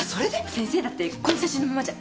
先生だってこの写真のままじゃ嫌でしょ？